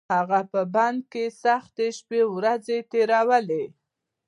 هغه په بند کې سختې شپې ورځې تېرولې.